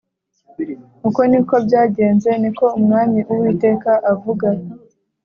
uko ni ko byagenze Ni ko Umwami Uwiteka avuga